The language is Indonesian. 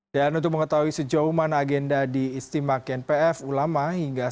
dan untuk mengetahui sejauh mana agenda diistimewa knpf ulama hingga satu